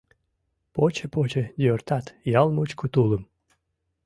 Поче-поче йӧртат ял мучко тулым